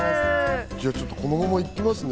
じゃあちょっとこのまま、まず行きますね。